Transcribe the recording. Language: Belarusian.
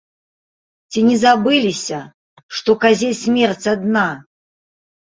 Ці не забыліся, што казе смерць адна?